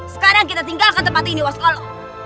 sekarang kita tinggalkan tempat ini waskolo